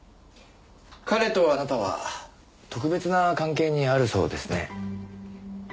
彼とあなたは特別な関係にあるそうですね。